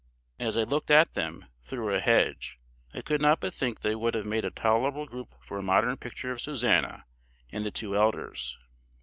As I looked at them through a hedge, I could not but think they would have made a tolerable group for a modern picture of Susannah and the two elders.